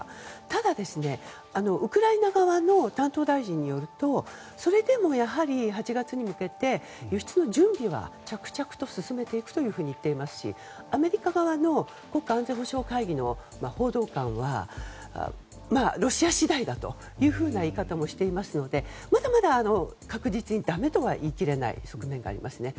ただウクライナ側の担当大臣によるとそれでも、やはり８月に向けて輸出の準備は着々と進めていくと言っていますしアメリカ側の国家安全保障会議の報道官はロシア次第だという言い方もしていますのでまだまだ確実にだめとは言い切れない側面がありますね。